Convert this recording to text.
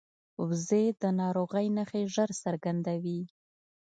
وزې د ناروغۍ نښې ژر څرګندوي